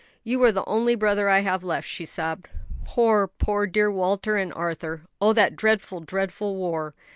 "You are the only brother I have left," she sobbed. "Poor, poor dear Walter and Arthur! Oh, that dreadful, dreadful war!"